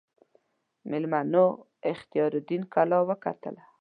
میلمنو اختیاردین کلا وکتله.